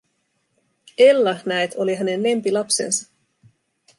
Ella, näet, oli hänen lempilapsensa.